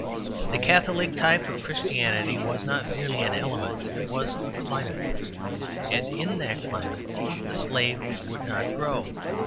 The Catholic type of Christianity was not merely an element, it was a climate; and in that climate the slave would not grow.